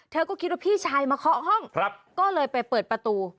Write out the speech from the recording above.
เธอก็คิดว่าพี่ชายมาเคาะห้องก็เลยไปเปิดประตู